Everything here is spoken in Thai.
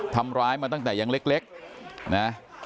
ทำร้ายมาตั้งแต่ยังเล็กนะ